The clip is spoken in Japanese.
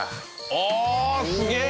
ああすげえ！